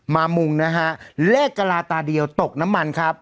มุงนะฮะเลขกะลาตาเดียวตกน้ำมันครับ